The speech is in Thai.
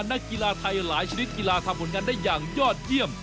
นักกีฬาไทยหลายชนิดกีฬาทำผลงานได้อย่างยอดเยี่ยม